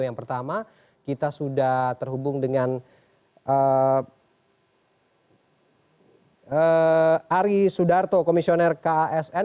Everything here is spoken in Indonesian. yang pertama kita sudah terhubung dengan ari sudarto komisioner ksn